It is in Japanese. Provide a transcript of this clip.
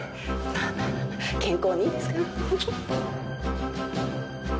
まあまあ健康にいいですから。